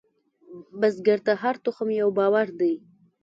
بزګر ته هره تخم یو باور دی